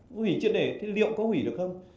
hủy chuyện để thì liệu có hủy được không